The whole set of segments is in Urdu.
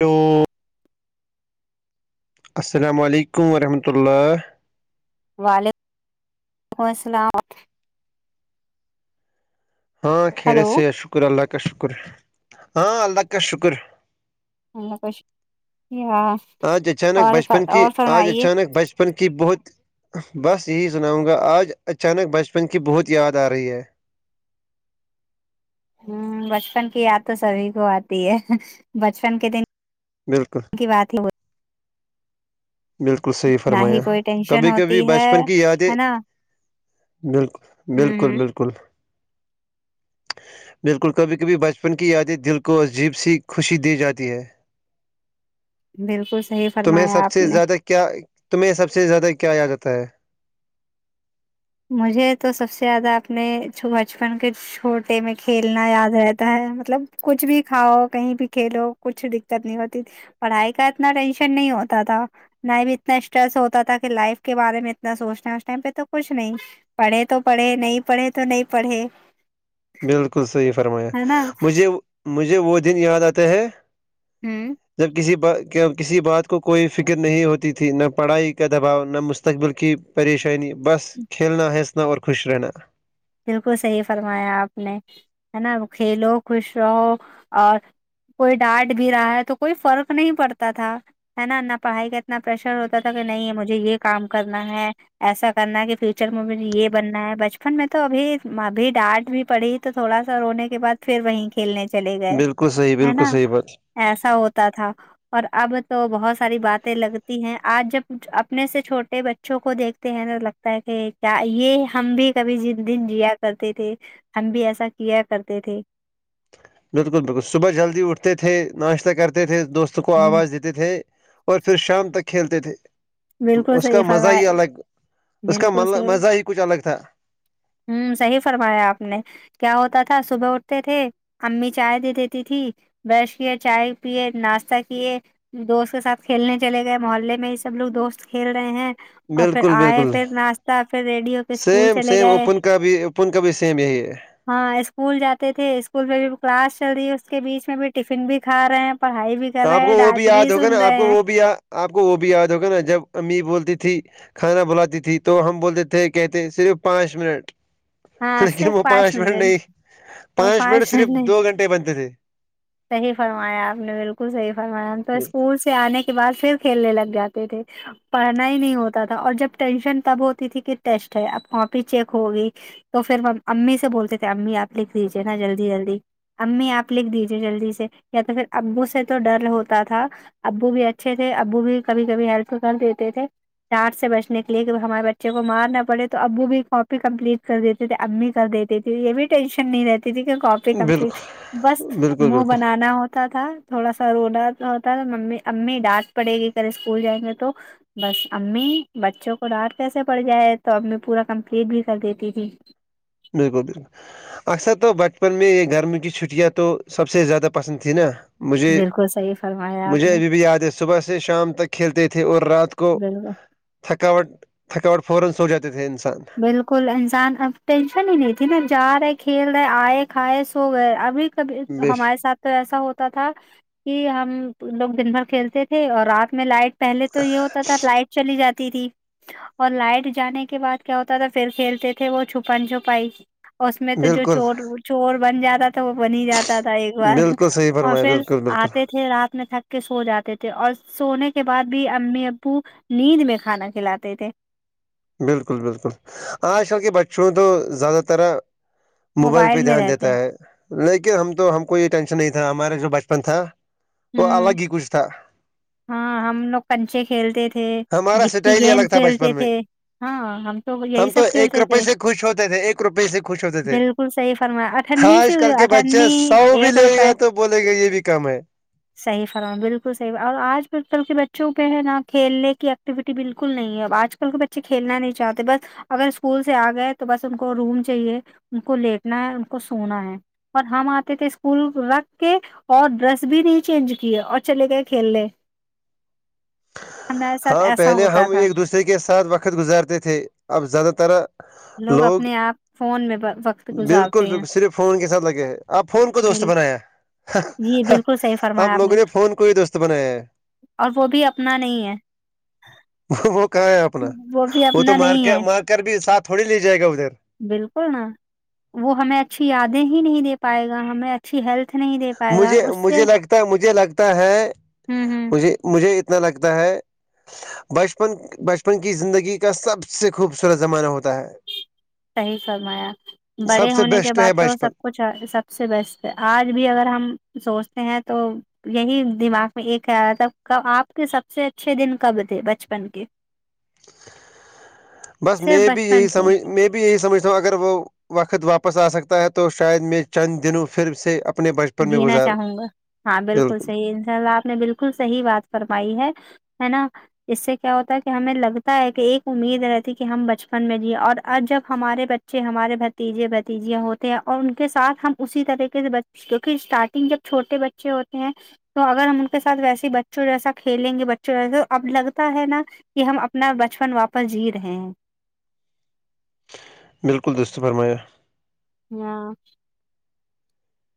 دو السلام علیکم ورحمۃ اللہ وعلیکم وعلیکم السلامم ہاں خیر ہیلو سے شکر اللہ کا شکر ہاں اللہ کا شکر اللہ کچھ یا آج اچانک بچپن کی آج اچانک بچ بچپن کی بہت بس یہی سناؤں گا آج اچانک بچپن کی بہت یاد آہی ہے ہوں بچپن کی یاد تو سبھی کو آتی ہے بچپن کے دن بالکل بات ہی ہو بالکل صحیح نہ ہی فرمایا کوئی ٹینشن کبھی کبھی ہوتی ہے بچپن کی یادیں ہے نا بالکل بالکل ہوں بالکل بالکل کبھی کبھی بچپن کی یادیں دل کو عجیب سی خوشی دی جاتی ہے بالکل صحیح تمہیں فرمایا سب آپ سے نے زیادہ کیا تمہیں سب سے زیادہ کیا یاداتتا ہے مجھے تو سب سے زیادہ اپنے بچپن کے چھوٹے میں کھیلنا یاد رہتا ہے مطلب کچھ بھی کھاؤ کہیں بھی کھیلو کچھ دقت نہیں ہوتی تھی پڑھائی کا اتنا ٹینشن نہیں ہوتا تھا میں بھی اتنا اسٹریس ہوتا تھا کہ لائف کے بارے میں اتنا سوچنا ہے اس ٹائم پہ تو کچھ نہیں پڑھے تو پڑھے نہیں پڑھے تو نہیں پڑھے بالکل صحیح فرمایا ہے نا مجھے مجھے وہ دن یاد آتا ہے ہوں جب کسی کسی بات کو کوئی فکر نہیں ہوتی تھی نہ پڑھائی کا دباؤ نہ مستقبل کی پریشانی بس ہ کھیلنا ہنسنا اور خوش رہنا بالکل صحیح فرمایا آپ نے ہے نا کھیلو خوش رہو اور کوئی ڈانٹ بھی رہا ہے تو کوئی فرق نہیں پڑتا تھا ہے نا نہ پڑھائی کا اتنا پریشر ہوتا تھا کہ نہیں مجھے یہ کام کرنا ہے ایسا کرنا ہے کہ فیوچر میں مجھے یہ بننا ہے بچپن میں تو تو ابھی ابھی ڈانٹ بھی پڑی تو تھوڑا سا رونے کے بعد پھر وہیں کھیلنے چلے گئے بالکل صحیح ہے بالکل نا صحیح بات ایسا ہوتا تھا اور اب تو بہت ساری باتیں لگتی ہیں آج جب اپنے سے چھوٹے بچوں کو دیکھتے ہیں تو لگ کہ کیا یہ ہم بھی کبھی دن جیا کرتے تھے ہم بھی ایسا کیا کرتے تھے بالکل بالکل صبح جلدی اٹھتے تھے ناشتہ کرتے تھے دوستوں کو ہ آواز دیتے تھے اور پھر شام تک کھیلتے تھے بالکل اس کا صحیح مزہ فرمایا ہی الگ اس کا بالکل مزہ ہی کچھ الگ تھا ہوں صحیح فرمایا آپ نے کیا ہوتا تھا صبح اٹھتے تھے امی چائے د دیتی تھی برش کیے چائے پیے ناشتہ کیے دوست کے ساتھ کھیلنے چلے گئے محلے میں ہی سب لوگ دوست کھیل رہے ہیں اور پھر بالکل آئے بالکل پھر ناشہ پھر ریڈی ہو کے اسکول سیم چلے سیم گئے اوپن کا بھی اوپن کا بھی سیم یہی ہے ہاں اسکول جاتے تھے اسکول میں بھی کلاس چل رہی ہے اس کے بیچ میں بھی ٹفن بھی کھا رہے ہیں پڑھائی بھی کر آپ رہے کو ہیں وہ بھی ڈانٹ یاد ہوگا نا سن آپ رہے کو ہیں وہ بھییا آپ کو وہ بھی یاد ہوگا نا جب امی بولتی تھی کھانا بلاتی تھی تو ہم بولتے تھے کہتے صرف پانچ منٹ لیکن وہ پانچ منٹ نہیں پانچ منٹ صرف دو گھنٹے بنتے تھے صحیح فرمایا آپ نے بالکل صحیح فرمایا ہم تو اسکولس سے آنے کے بعد پھر کھیلنے لگ جاتے تھے پڑھنا ہی نہیں ہوتا تھا اور جب ٹینشن تب ہوتی تھی کہ ٹیسٹ ہے اب کاپی چیک ہوگی تو پھر امی سے بولتے تھے امی آپ لکھ لیجیے نا جلدی جلدی امی آپ لکھ دیجیے جلدی سے یا تو پھر ابو سے تو ڈر ہوتا تھا ابو بھی اچھے تھے ابو بھی کبھی کبھی ہیلپ کر دیتے تھے ڈاٹ سے بچنے کے لیے ہمارے بچے کو مارنا پڑے تو ابو بھی کاپی کمپلیٹ کر دیتے امی کر دیتے تے یہ بھی ٹینشن نہیں رہتی کاپی کمپلیٹ بالکل بس بالکل منہ بالکل بنانا ہوتا تھا تھوڑا سا رونہ ہوتا ممی امی ڈانٹ پڑے گی کل اسکول جائیں گے تو بس امی بچوں کو ڈانٹ کیسے پڑ جائے تو امی پورا کمپلیٹ بھی کر دیتی تھی بالکل بالکل اکثر تو بچ بچپن میں یہ گرم کی چھٹیاں تو سب سے زیادہ پسند تھیں نا مجھے بالکل صحی مجھے ابھی بھی یاد ہے صبح سے شام تک کھیلتے تھے اور رات کو بالکل تھکاوٹ تھکاوٹ فورا سو جاتے تھے انسان بالکل انسان اب ٹینشن ہی نہیں تھی نا جا رہے کھیل رہے آئے کھائے سو گئے ابھی تب بش ہمارے ساتھ تو ایسا ہوتا تھا کہ ہم لوگ دن بھر کھیلتے تھے اور رات میں لائٹ پہلے تو یہ ہوتا تھا لائٹ چلی جاتی تھی اور لائٹ جانے کے بعد کیا ہوتا تھا پھر کھیلتے تھے وہ چھپن چھپائی اس میں تو جو بالکل چور چور بن جاتا تھا تو وہ بن ہی جاتا تھا ایک بار بالکل صحیح اور فرمایا پھر بالکل بالکل آتے تھے رات میں تھک کے سو جاتے تھے اور سونے کے بعد بھی امی ابو نیند میں کھانا کھلاتے تھے بالکل بالکل آج کل کے بچوں تو زیادہ ترح موبائل پہ میں دھیان رہتے دیتا ہیں۔ ہے لیکن ہم تو ہم کو یہ ٹینشن نہیں تھا ہمارا جو بچپن تھا وہ ہوں الگ ہی کچھ تھا ہاں ہم لوگ کنچے کھیلتے تھے ہمارا گیپی اسٹائل ہی الگ گیند تھا کھیلتے بچپن میں تھے ہاں ہم تو یہی ہم سب ایک کھیلتے روپئے تھے سے خوش ہوتے تھے ایک روپئے سے خوش ہوتے تھے بل کل صحیح فرمایا اٹھنی آج سی بھی کل کے اٹھنی بچے سو بھی ایک لے روپئے گا تو بولے گا یہ بھی کم ہے صح فرام بالکل صح اور آج کل کل کے بچوں پہ ہے نا کھیلنے کی ایکٹیویٹی بالکل نہیں ہے اب آج کل کے بچ چ کھیلنا نہیں چاہتے بس اگر اسکول سے آ گئے تو بس ان کو روم چاہیے ان کو لیٹنا ہے ان کو سونا ہے اور ہم آتے تھے اسکول رکھ کے اور ڈریس بھی نہیں چینج کی اور چلے گئے کھیل لے ہمارے ساتھ ہاں ایسا پہلے ہوتا ہم تھا ایک دوسرے کے ساتھ وقت گزارتے تھے اب زیادہ تر لوگ اپنے آپ فون میں ب- وقت بالکل گزارتے ہیں بالکل صرف فون کے ساتھ لگے آپ فون کو دوست بال بنایا جی بالکل صحیح آپ فرمایا لوگوں نے فون کو ہی دوست بنایا ہے اور وہ بھی اپنا نہیں ہے وہ کہاں ہے اپنا بھی وہ تو اپنا مار نہیں ہے مار کر بھی ساتھ تھوڑی ل جائے گا ادھر بالکل نا وہ ہمیں اچھی یادیں ہی نہیں دے پائے گا ہمیں اس ہیلت نہیں دے پائے گا مجھے اس سے مجھے لگتا مجھے لگتا ہے ہوں ہوں مھ مجھے اتنا لگتا ہے بچپن بچپن کی زندگی کا سب سے خوبصورت زمانہ ہوتا ہے صحیح فرمایا سب بڑے سے ہونے کے بیسٹ بعد ہے تو بچپن سب کچھ سب سے بیسٹ آج بھی اگر ہم سوچتے ہیں تو یہی دماغ میں ایک ہےب آپ کے سب سے اچھے دن کب تھے بچپن کے بس صرف میں بھی یہی بچپن کے سمجھ میں بھی یہی سمجھتا ہوں اگر وہ وقت واپس آ سکتا ہے تو شاید میں چند دنوں پھر سے اپ جینا چاہوں گا ہاں بالکل صحیح ان شاء اللہ آپ نے بالکل صحیح بات فرمائی ہے ہے نا ج سے کیا ہوتا ہے کہ ہمیں لگتا ہے کہ ایک امید رہتی کہ ہم بچپن میں جیے اور آج جب ہمارے بچے بچے ہمارے بھتیجے بھتیجیا ہوتے ہیں اور ان کے ساتھ ہم اسی طریقے سے ب کیونکہ اسٹارٹنگ جب چھوٹے بچے ہوتے ہیں تو اگر ہم ان کے ساتھ ویسے بچوں جیسا کھیلیں گے بچوں جیسے تو اب لگتا ہے نا کہ ہم اپنا بچپن واپس جی رہے ہیں بالکل دوستو فرمایا ہیا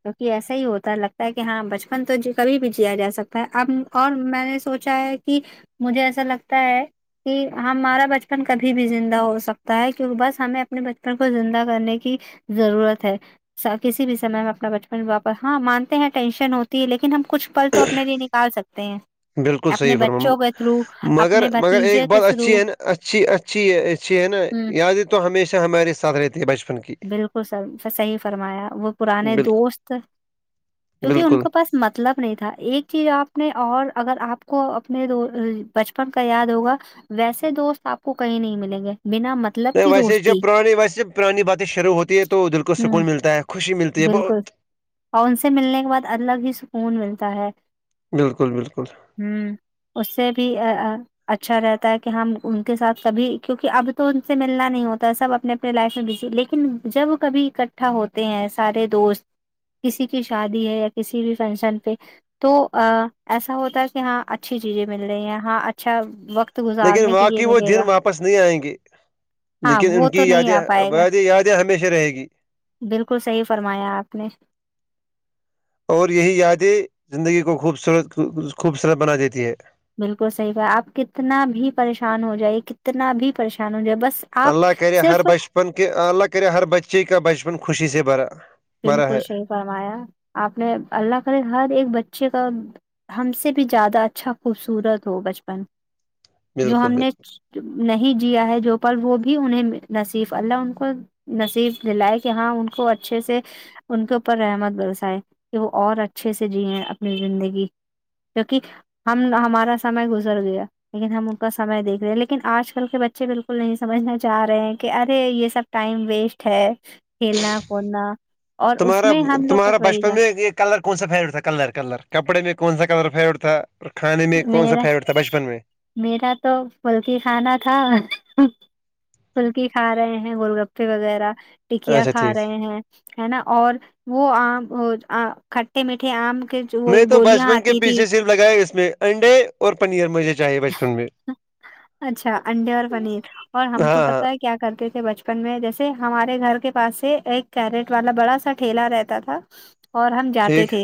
کیکہ ایسا ہی ہوتا لگتا ہے کہ ہاں بچپن تو کبھی بھی جیا جا سکتا ہے اب اور میں نے سوچ اا کہ مجھے ایسا لگتا ہے کہ ہمارا بچپن کبھی بھی زندہ ہو سکتا ہے کیونکہ بس ہمیں اپنے بچپن کو زندہ کرنے کی ضرورت ہے کسی بھی سمے میں اپنا بچپن واپس ہاں مانتے ہیں ٹینشن ہوتی ہے لیکن ہم کچھ پل تو اپنے لیے نکال سکتے ہیں بالکل اپنے صحیح فرمان بچوں کے تھرو مگر اپنے مگر ایک بھتیجے کے بات اچھی تھرو ہے اچھی ا اچھی ہے اچھی ہے نا ہ یادیں تو ہمیشہ ہمارے ساتھ رہتی ہے بچپن کی بالکل صحیح فرمایا وہ پرانے بال دوست کیونکہ ان بالکل کو پاس مطلب نہیں تھا ایک چیز آپ نے اور اگر آپ کو اپنے بچپن کا یاد ہوگا ویسے دوست آپ کو کہیں نہیں ملیں گے بنا مت ویسے جب پرانی ویسے پرانی باتیں شروع ہوتی ہے تو دل کو ہوں سکون ملتا ہے خوشی ملتی ہے بہت بالکل اور ان سے ملنے کے بعد الگ ہی سکون ملتا ہے بالکل بالکل ہوں اس سے بھی اچھا رہتا ہے کہ ہم ان کے ساتھ کبھی کیونکہ اب تو ان سے ملنا نہیں ہوتا ہے سب اپنے اپ لائف میں بزی لیکن جب کبھی اکٹھا ہوتے ہیں سارے دوست کسی کی شادی ہے یا کسی بھی فنکشن پہ تو ایسا ہوتا ہے کہ ہاں اچھی چیزیں مل رہی ہیں ہاں اچھا وقت لیکن گزارنے کے لیے واقی وہ ملے دن گا واپس نہیں آئیں گے ہاں لیکن ان وہ کی تو نہیں آ پائے گا یادیںدیں یادیں ہمیشہ رہے گی بالکل صحیح فرمایا آپ نے اور یہی یادیں زندگی کو خوبصورت خوبصورت بنا دیتی ہے بالکل صحیح با آپ کتنا بھی پریشان ہو جائی کتنا بھی پریشان ہو جائے بس آپ اللہ کرے ہر صرف بچپن کے اللہ کرے ہر بچے کا بچپن خوشی سے بھرا بھرا بالکل ہے صحیح فرمایا آپ نے اللہ کرے ہر ایک بچے کا ہم سے بھی زیادہ اچھا خوبصورت ہو بچپن جو بالکل ہم بالکل نے نہیں جیا ہے جو پر وہ بھی انہیں نصیف اللہ ان کو نصیب دلائے کہ ہاں ان کو اچھے سے ان کے اوپر رحمت برسائے کہ وہ اور اچھے سے جییں اپنی زندگی کیونک ہم ہمارا سمے گزر گیا لیکن ہم ان کا سمئے دیکھ رہے ہیں لیکن آج کل کے بچے بالکل نہیں سمجھنے جاہ رہے ہیں کہ ارے یہ سب ٹائم ویسٹ ہے کھیلنا کودنا اور اس تمہارا میں ہم لوگ کو تمہارا تو وہی بچپن تھا میں ایک کلر کون سا فیوریٹ تھا کلر کلر کپڑے میں کون سا کلر فیوریٹ تھا اور کھانے میں کون سا میرا فیوریٹ تھا بچپن میں میرا تو پھلکی خانا تھا پھلکی کھا رہے ہیں گول گپے وغیرہ ٹکیا اچھا کھا ٹھیک ٹھیک، رہے ہیں ہے نا اور وہ آم کھٹے میٹھے آم کے جو وہ میں تو گولیاں بچپن کے آتی تھی پیچھے سف لگایا اس میں انڈے اور پنیر مجھے چاہیے بچپن میں اچھا انڈے اور پنیر اور ہم ہاں تو ہاں پتہ ہے کیا کرتے تھے بچپن میں جیسے ہمارے گھر کے پاس سے ایک کیرٹ والا بڑا سا ٹھیلا رہتا تھا اور ہم جاتے ٹھیک تھے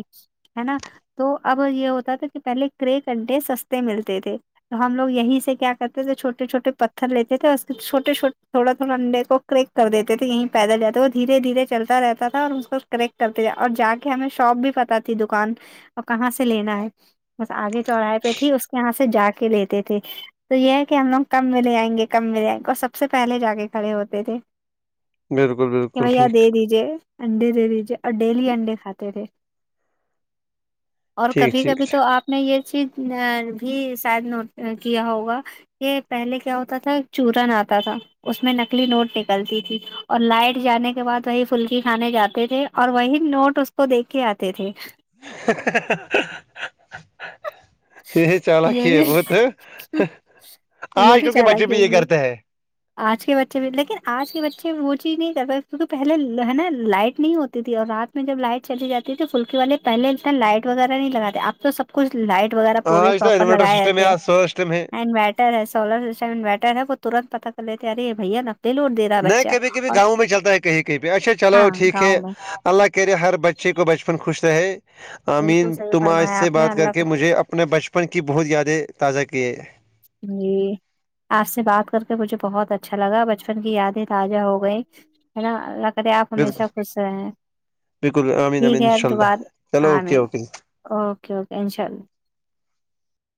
ہے نا تو اب یہ ہوتا تھا کہ پہلے کرے انڈے سستے ملتے تھے تو ہم لگ یہیں سے کیا کرتے تھے چھوٹے چھٹے پتھر لیتے تھے اس چھوٹے چھٹے تھوڑا تھوڑا انڈے کو کریک کر دیتے تھے یہیں پیدل جاتے وہ دھیرے دھیرے چلتا رہتا تھا اور اس کو کریک کرتے اور جا کے ہمیں شاپ بھی پتا ت دکان اور کہاں سے لینا ہے بس آگے چوراہے پہ تھی اس کے یہاں سے جا کے کے لیتے تھے تو یہ ہے کہ ہم لوگ کم م لے جائیں گے کم مے جائیں گے اور سب سے پہلے جا کے کھڑے ہوتے تھے بالکل کہ بالکل بھیا ٹھیک دے دیجیے انڈے دے دیجے اور ڈیلی انڈے کھاتے تھے اور ٹھیک کبھی ٹھیک کبھی تو آپ نے یہ چیز بھی شاید نوٹ کیا ہوگا یہ پہلے کیا ہوتا تھا چورن آتا تھا اس میں نکلی نوٹ نکلتی تھی اور لائٹ جانے کے بعد وہی پھلکی کھانے جاتے تھے اور وہی نوٹ اس کو دیک کے آتے تھے [unintelligible] یہ چالک یہ ہے بت بھی آج کل کے بچے بھی یہ کرتے ہے آج کے بچے بھی لیکن آج کے بچے وہ چیز نہیں کر پ کیونکہ پہلے ہے نا لائٹ نہیں ہوتی تھی اور رات میں جب لائٹ چلی جاتی تو پلک والے پہے اتنا لائٹ وغیرہ نہیں لگاتے آپ تو سب کچھ لائٹ وغیرہ پورے آج تو پراپر انورٹر لگائے سسٹم ہے جاتے ہیں آج سولر سسٹم ہے ر ہے سولر سسٹم انورٹر ہے وہ ترت پتتا کر لیتے ارے بھیا نا نہیں کبھی کبھی گاؤں میں چلتا ہے کہیں کہیں بھی اچھا چلو ہاں ٹھیک ہے گاؤں میں اللہ کہ رہے ہر بچے کو بچپن خوش رہے بالکل آمین صحیح تم آج فرمایا سے آپ نے بات کر اللہ کے کا مجھے اپنے بچپن کی بہت یادیں تازہ کیے جی [unintelligible] آپ سے بات کر کے مجھے بہت اچھا لگا بچپن کی یادیں تازہ ہو گئی ہے نا ارے آپ بالکل ہمیشہ خوش رہے ہیں بالکل آمین ٹھیک آمین ہے انشاء اب اللہ دوبار چلو آ اوکے میں اوکے اوکے اوکے انشاء اللہ